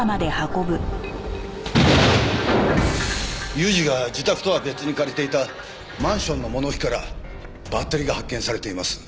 裕二が自宅とは別に借りていたマンションの物置からバッテリーが発見されています。